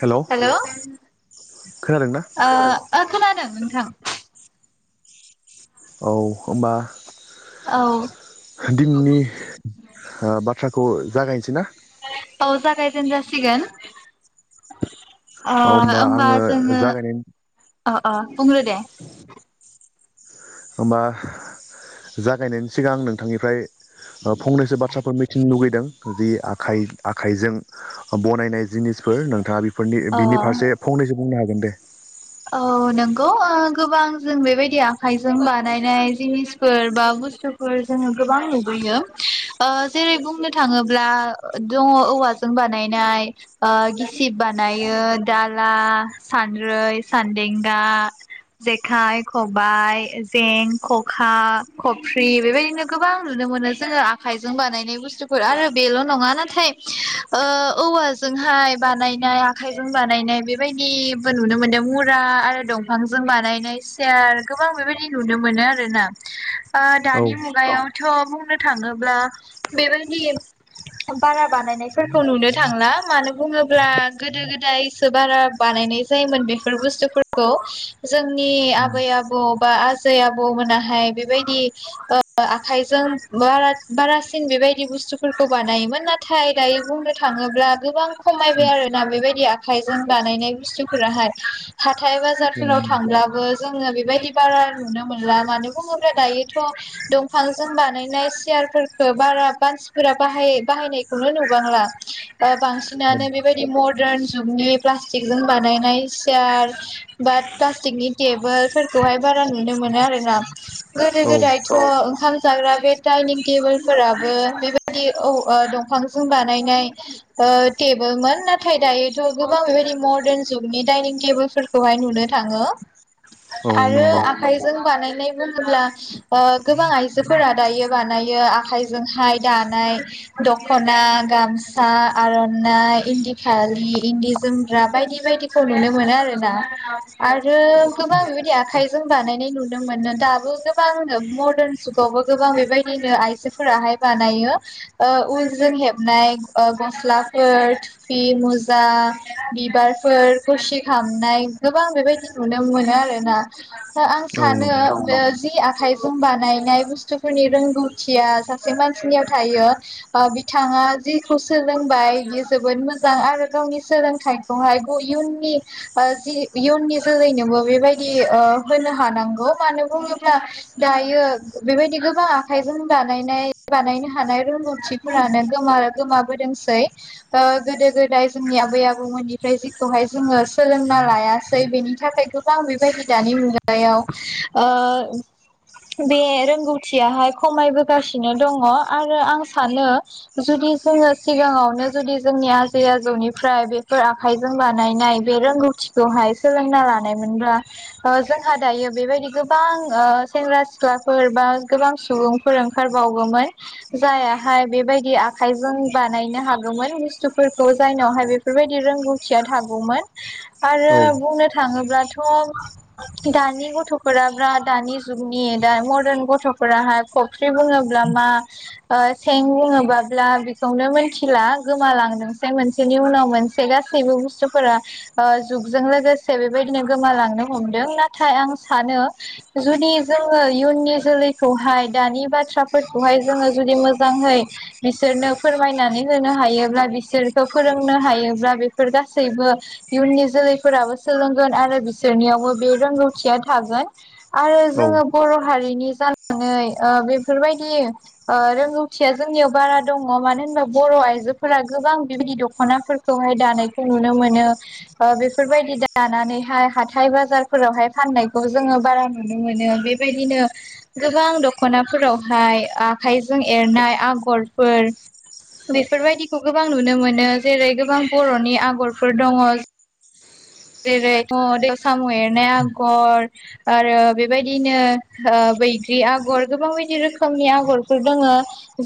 Hello hello ओ खोनादोंना ओ खोनादों नोंथां । औ होनबा औ दिननि बाथ्राखौ ओ जागायनोसै ना? औ जागाय जेनजासिगोन । ओ औ होमबा आङो जोङो जागायनायनि अ अ बुंग्रो दे। होमबा जागायनायनि सिगां आं नोंथांनिफ्राय फंनैसो बाथ्राफोर मिथिनो लुगैदों जि आख-आखाइजों बनायनाय जिनिसफोर नोंथाङा बेफोरनि बिनि अ फारसे फंनैसो बुंनो हागोन दे । औ नंगौ गोबां जों बेबायदि आखाइजों बानायनाय जिनिसफोर बा बुस्थुफोर जोङो गोबां नुुबैयो ओ जेरै बुंनो थाङोब्ला दङ' औवाजों बानायनाय ओ गिसिब बानायो दाला सानद्रै सन्देंगा जेखाइ, खबाय, जें, खखा, खफ्रि बेबायदिनो गोबां नुनो मोनो जोंओ आखायजों बानायनाय बुसथुफोर आरो बेल' नंआ नाथाय ओ औवाजों हायइ बानायनाय आखाइजों बानायनाय बेबायदिबो नुनो मोनदों मु ख्रा आरो दंफांजों बानायनाय सियार गोबां बेबायदि नुनो मोनो आरोना। आ औ दानि मुगायाव थ' बुंनो थाङोब्ला बेबायदि बारा बानायनायफोरखौ नुनो थांला। मानो बुङोब्ला गोदो गोदाय इसो बारा बानायनाय जायोमोन बे फोर बुस्थुफोरखौ जोंनि आबै आबौ बा आजै आबौमोनाहाय बेबायदि ओ आखाइजों बारासिन बेबायदि बुस्थुफोरखौ बानायोमोन नाथाय दा यो बुंनो थाङोब्ला गोबां खमायबाय आरोना बेबायदि आखाइजों बानायनाय बुस्थुफोराहाय। हाथाय बाजारफोराव थांब्लाबो जोङो बेबायदि बारा नुनो मोनला मानो बुङोब्ला दायो थ' दंफांजों बानायनाय सियारफोरखौ बारा मानसिफोरा बाहाय बाहायनायखौनो नुबांलाा बांसिनानो बेबायदि मदार्न जुगनि प्लास्टिक जों बानायनाय सि यार बाद बाखि फ्लासथिखनि थेबोलफोरखौहाय बारा नुनो मोना आरोना। गोदो औ गोदायथ' ओंखाम जाग्रा बे दाइनिं टेबोल फोराबो बेबायदि औ ओ दंफांजों बनायनाय ओ थेबोलमोन नाथाय दायोथ' जों गोबां बेबायदि मदार्न जुगनि दायनिं टेबोल फोरफोरखौहाय नुनो थाङो। आरो औ नोंगौ। आखाइजों बानायनाय बुङोब्ला ओ गोबां आइजोफोरा दायो बानाय ओ आखाइजोंहाय दानाय दखना गामसा आर'नाइ इनदि फालि इन्दि जोमग्रा बायदि बायदिखौ नुनो मोनो आरोना। आरो गोबां बेबायदि आखाइजों बानायनाय नुदों मोनो दाबो गोबां नो मदार्न जुगावबो गोबां बेबायदिनो आइजोफोराहाय बानायो उल जों हे बनाय गसलाफोर थुफि मुजा बिबारफोर [unintelligible] खामनाय गोबां बेबायदि नुनो मोनो आरोना दा आं औ सानो नंगौ बे जि आखाइजों बानायनाय बुस्थुफोरनि रोंगौथिया सासे मानसिनियाव थायो बा बिथाङा जेखौ सोलोंबाय बियो जोबोद मोजां आरो गावनि सोलोंथाइखौहायबो इयुननि ओ जि इयुननि जोलैनोबो बेबायदि ओ होनो हानांगौ मानो बुङोब्ला दायो बेबायदि गोबां आखाइजों बानायनाय बानायनो हानाय रोंगौथिफोरानो गोमा गोमाबोदोंसै ओ गोदो गोदाय जोंनि आबै आबौमोननिफ्राय जिखौहाय जोङो सोलोंना लायासै बेनि थाखाय गोबां बेबादि दानि मुगायाव ओ बे रोंगौथियाहाय खमायबोगासिनो दङ। आरो आं सानो जुदि जोङो सिगाङावनो जुदि जोंनि आजै आजौनिफ्राय बेफोर आखाइजों बानायनाय बे रोंगौथिखौहाय सोलोंना लानायमोनब्ला जोंहा दायो बेबायदि गोबां ओ सेंग्रा सिख्लाफोर बा गोबां सुबुंफोर ओंखारबावोमोन जायाहाय बेबायदि आ आखाइजों बानायनो हागौमोन बुस्थुफोरखौ जायनावहाय बेफोरबायदि रोंगौथिया थागौमोन। आरो औ बुंनो थाङोब्लाथ' दानि गथ'फोरा ब्रा दानि जुग नि मदन गथ'फोराहाय खफ्रि बुङोब्ला मा? ओ सें बुङोबा ब्ला बेखौनो मिथिला गोमालांदोंसै मोनसेनि उनाव मोनसे गासैबो बुस्थुफोरा। ओ जुगजों लोगोसे बेबायदिनो गोमालांनो हमदों नाथाय आं सानो जुदि जो ङो इयुननि जोलैखौहाय दानि बाथ्राफोरखौहाय जोङो जुदि मोजाङै बिसोर नो फोरमायनानै होनो हायोब्ला बिसोरखौ फोरोंनो हायोब्ला बेफोर गासैबो इयुननि जोलैफोराबो सोलोंगोन आरो बिसोरनियावबो बे रोंगौथिया थागोन। आरो औ जों ङो बर' हारिनि जानानै ओ बेफोरबायदि ओ रोंगौथिया जोंनियाव बारा दङ मानो होनबा बर' आइजोफोरा गोबां बेबायदि दख'नाफोरखौहाय दानायखौ नुनो मोनो। ओ बेफोरबायदि दानानैहाय हाथाय बाजारफोरावहाय फाननायखौ जोङो बारा नुनो मो नो बेबायदिनो गोबां दख'नाफोरावहाय आखाइजों एरनाय आगरफो र बेफोरबायदिखौ गोबां नुनो मोनो जेरै गोबां बर'नि आगरफोर दङ। जेरै [unintelligible] सामु एरनाय आगर आरो बेबायदिनो ओ बैग्रि आगर गोबां बायदि रोखोमनि आगरफोर दोङो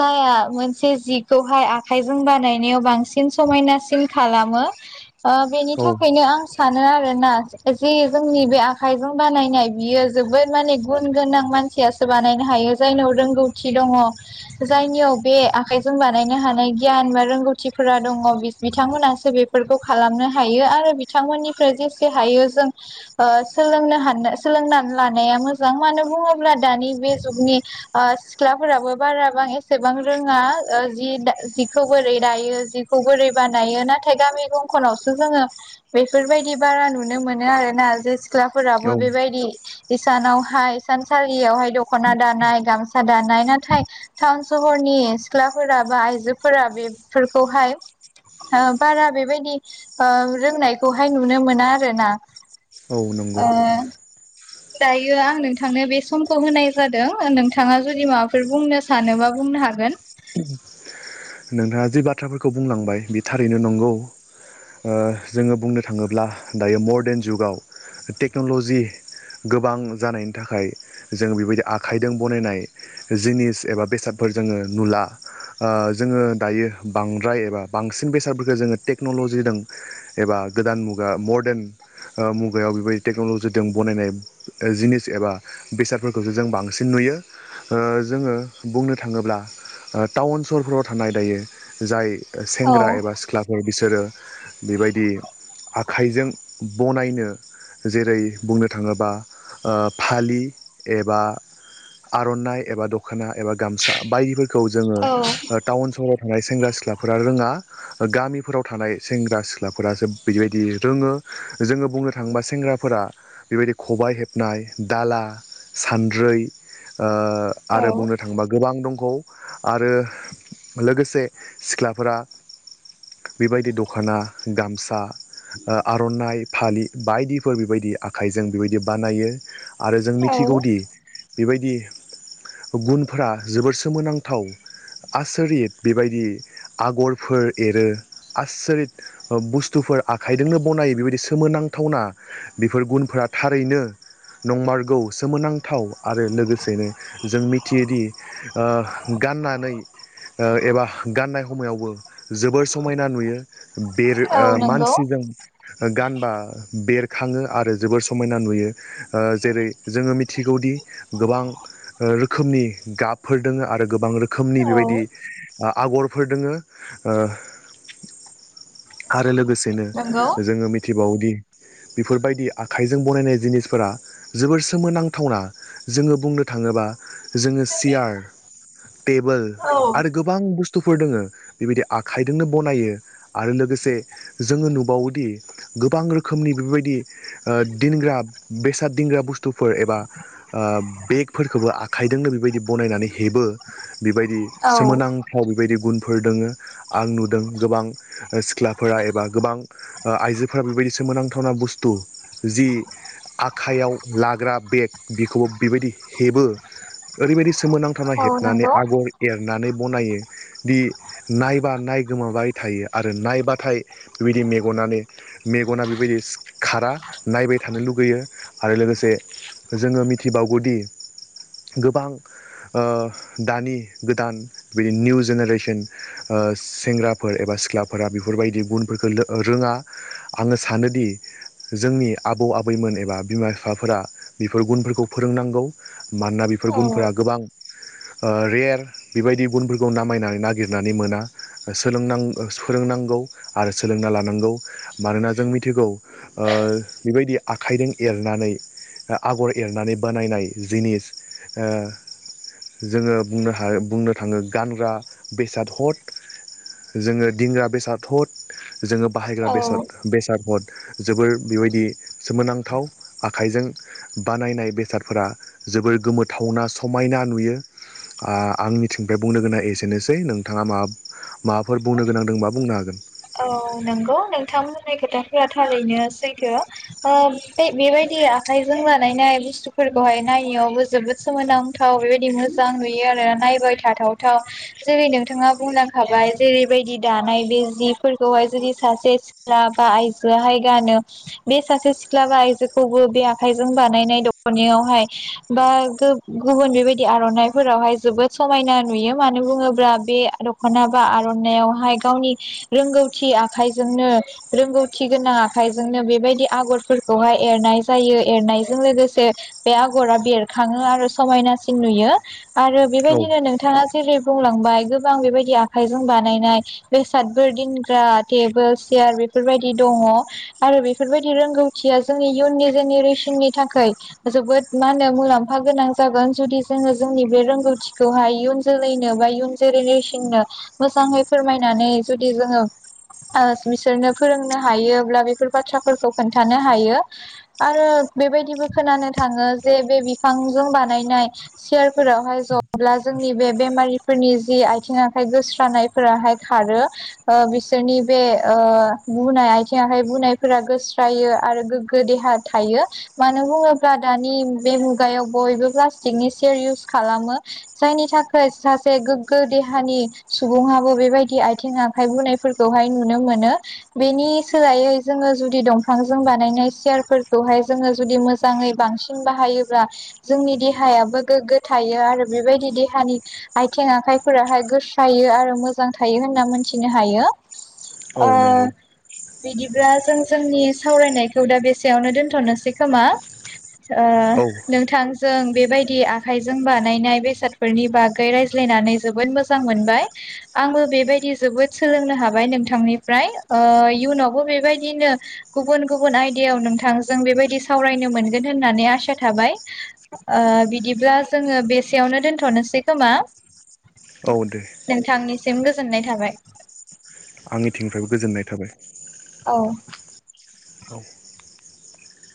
जायहा मोनसे जिखौहाय आखाइजों बानायनायाव बांसिन समायनासिन खालामो बेनि औ थाखायनो आं सानो आरोना जि जोंनि बे आखाइजों बानायनाय बियो जोबोद माने गुन गोनां माने मानसियासो बानायनो हायो जायनियाव रोंगौथि दङ जायनियाव बे आखाइजों बानायनो हानाय गियान बा रोंगौथिफोरा दङ बिथांमोनासो बेफोरखौ खालामनो हायो आरो बिथांमोननि जेसे हायो जों ओ सोलोंनो हानो ओ सोलोंनानै लानाया मोजां मानो बुङोब्ला दानि बे जुगनि ओ सिख्लाफोराबो बाराबां एसेबां रोङा ओ जि दा जिखौ बोरै दायो जिखौ बोरै बानायो नाथाय गामि गंखनावसो जोङो बे जि बेफोरबायदि बारा नुनो मोनो आरोना जे सिख्लाफोराबो औ बेबायदि हिसानावहाय सा सालियावहाय दख'ना दानाय गामसा दानाय नाथाय टाउन सहरनि सिख्लाफोराबो आ आइजोफोरा बेफोरखौहाय बारा बेबायदि रोंनाय खौहाय नुनो मोना आरो ना। नंगौ ओ दायो आं नोंथांनो बे समखौ होनाय जादों नोंथाङा जुदि माबाफोर बुंनो सानोबा बुं बुंनो हागोन‌। नोंथाङा जि बाथ्राफोरखौ बुंलांबाय बे थारैनो नंगौ। ओ जोङो बुंनो थाङोब्ला दायो मरदेन जुगाव टेक्न'लजि गोबां जानायनि थाखाय जों बेबायदि आखाइजों बनायनाय जिनिस एबा बेसादफोरखौ जोङो नुला ओ जोङो दायो बांद्राय एबा बांसिन बेसादफोरखौ जोङो टेक्न'ल'जिजों एबा गोदान मुगा मा मरदेन। ओ मुगायाव बेबायदि टेक्न'लजिजों बनायनाय जिनिस एबा बेसादफोरखौसो जों बांसिन नुयो। बियो ओ जोङो बुंनो थाङोब्ला टाउन सहरफ्राव थानाय दायो जाय औ सेंग्रा एबा सिख्लाफोर बिसोरो बेबायदि आखाइजों बनायनो जेरै बुंनो थाङोबा ओ फालि एबा आर'नाइ एबा दख'ना एबा गामसा बायदिफोरखौ जोङो औ ओ टाउन सहराव थानाय सेंग्रा सिख्लाफोरा रोङा गामिफोराव थानाय सेंग्रा सिख्लाफोरासो बिदिबायदि जोङो-जोङो बुंनो थाङोबा बेबायदि खबाइ हेबनाय दाला सानद्रै ओ औ आरो बुंनो थाङोबा गोबां दंबावो आरो लोगोसे सिख्लाफोरा बेबायदि दख'ना गामसा ओ आर'नाइ फालि बायदिफोर बेबायदि आखाइजों बेबायदि बानायो। आरो जों औ मिथिगौदि बेबायदि गुनफोरा जोबोर सोमोनांथाव। आसरित बेबायदि आगरफोर एरो आसरित बुस्थुफोरा आखाइजोंनो बनायो बेबायदि सोमोनांथावना बेफोर गुनफोरा थारैनो नंमारगौ सोमोनां थाव आरो लोगोसेनो जों मिथियो दि ओ गाननानै ओ एबा गाननाय समावबो जोबोर समायना नुयो बेर औ नंगौ मानसिजों गानबा बेर खाङो आरो जोबोर समायना नुयो जेरै जोङो मिथिगौदि गोबां रोखोमनि गाबफोर दोङो आरो गोबां रोखोमनि औ बेबायदि आगरफोर दोङो- आरो लोगोसेनो नंगौ जोङो मिथिबावोदि बेफोरबायदि आखाइजों बनायनाय जिनिसफोरा जोबोर सोमोनांथावना जोङो बुंनो थाङोबा जोङो सियार टेबोल औ आरो गोबां बुस्थु- बुस्थुफोर दोङो बेबायदि आखाइजोंनो बनायो आरो लोगोसे जोङो- बावदि गोबां रोखोमनि बेफोरबायदि दोनग्रा बेसाद दिंग्रा बुस्थुफोर एबा- बेफोरखौबो आखाइजोंनो बेबायदि बनायनानै हेबो। बेबायदि औ सोमोनांथाव बेबायदि गुनफोर दोङो आं नुदों गोबां सिख्लाफोरा एबा गोबां- आइजोफोरा बेबायदि सोमोनांथाव। खुनु बुस्तु जि आखाइयाव लाग्रा बेग बेखौबो बेबायदि हेब बो ओरैबायदि सोमोनांथावना औ हेबनानै नंगौ आगर नानै बनायो दि नायबा नाय गोमाबाय थायो आरो नायबाथाय बिबायदि नि मेगनानो मेगना बेबायदि खारा नायबाय थानो लुगैयो आरो लोगोसे जोङो मिथिबावगौदि गोबां ओ दानि गोदान बेदि निउ जेनेरेसन ओ सेंग्राफोर एबा सिख्लाफोरा बेफोरबायदि गुनफोर ओ रोङा आङो सानोदि जोंनि आबौ आबैमोन एबा बिमा बिफाफोरा आ बेफोर गुनफोरखौ फोरोंनांगौ मानोना बेफोर औ गुनफोरा गोबां ओ रेेआर। बेबायदि गुनफोरखौ नामायनानै नागिरनानै मोना सोलोंना-सोलोंनांगौ आरो सोलों ना लानांगौ मानोना जों मिथिगौ ओ बेबायदि आखाइजों एरनानै आ आगर एरनानै बानायनाय जिनिस ओ जोङो बुंनो हा बुंनो थाङो गानग्रा बेसाद हद जोङो दिंग्रा बेसाद हद जोङो बाहायग्रा औ बेसाद बेसादफोर जोबोर बेबायदि सोमोनांथाव आखाइजों बानायनाय बेसादफोरा जोबोर गोमोथावना समायना नुयो आ-आंनि थिंनिफ्राय बुंनो गोनांआ एसेनोसै नोंथाङा माबा माबाफोर बुंनो गोनां दोंबा बुंनो हागोन? औ नंगौ नोंथांमोननि खोथाफोरा थारैनो सैथो ओ बे बेबायदि आखाइजों बानायनाय बुस्थुफोरखौहाय नायनायावबो जोबोद सोमोनांथाव बेबायदि मोजां नुयो आरो। नायबाय थाथावथाव जेरै नोंथाङा बुंलांखाबाय जेरैबायदि दानाय बे जि फोरखौहाय जुदि सासे सिख्ला बा आइजोआहाय गानो बे सासे सिख्ला बा आइजोखौबो बे आखाइजों बानायनाय दखनायावहाय बा गु-गुबुन बेबायदि आर'नायफोरावहाय जोबोद समायना नुयो मानो बुङोब्ला बे दख'ना बा आर'नायावहाय गावनि रोंगौथि आखाइजोंनो रोंगौथि गोनां आखाइजोंनो बेबायदि आगरफोरखौहाय एरनाय नाय जायो एरनायजों लोगोसे बे आगरा बेरखाङो आरो समायनासिन नुयो। आरो औ बेबायदिनो नोंथाङा जेरै बुंलांबाय गोबां बेबायदि आखाइजों बानायनाय बेसाद फोर दोनग्रा टेबोल सेयार बेफोरबायदि दङ आरो बेफोरबायदि रोंगौथिया जोंनि इयुननि जेनेरेसननि थाखाय जोबोद मा होनो मुलाम्फा गोनां जागोन जुदि जोङो जोंनि बे रोंगौथिखौहाय इयुन जोलैनो बा इयुन जेनेरेसननो मोजाङै फोरमायनानै जुदि जोङो ओ बिसोरनो फोरोंनो हायोब्ला बेफोर बाथ्राफोरखौ खोन्थानो हायो आरो बेबायदिबो खोनानो थाङो जे बे बिफांजों बानायनाय सियारफोरावहाय जब्ला जोंनि बे बेमारिफोरनि जि आयथिं आखाइ गोस्रानायफोराहाय खारो। ओ बिसोरनि बे ओ बुनाय आयथिं आखाइ बुनायफोरा गोस्रायो आरो गो देहा थायो मानो बुङोब्ला दानि बे मुगायाव बयबो प्लास्टिकनि सेयार इउस खालामो जायनि थाखाय सासे गोग्गो देहानि सुबुङाबो बेबायदि आय थिं आखाय बुनायफोरखौहाय नुनो मोनो बेनि सोलायै जोङो जुदि दंफां जों बानाय नाय सियारफोरखौहाय जोङो जुदि मोजाङै बांसिन बाहायोब्ला जोंनि देहायाबो गोग्गो थायो आरो बेबायदि देहानि आयथिं आखाइफोराहाय गोस्रायो आरो मोजां थायो होन ना मोनथिनो हायो। औ नंगौ। बिदिब्ला जों जोंनि सावरायनायखौ दा बेसेयावनो दोनथ'नोसै खोमा? ओ ओ औ नोंथांजों बेबायदि आखाइजों बानायनाय बेसादफोरनि बागै रायज्लायनानै जोबोद मोजां मोनबाय। आंबो बेबाय दि जोबोद सोलोंनो हाबाय नोंथांनिफ्राय ओ इयुनावबो बेबायदिनो गुबुन गुबुन आ आयदायाव नोंथांजों बेबायदि सावरायनो मोनगोन होननानै आसा थाबाय ओ बिदिब्ला जोङो बेसेयावनो दोन्थ'नोसै खोमा? औ दे। सिम गोजोननाय थाबाय। आंनिथिंनिफ्रायबो [inaudible] औ औ।